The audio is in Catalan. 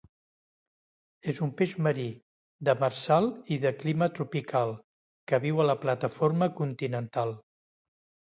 És un peix marí, demersal i de clima tropical que viu a la plataforma continental.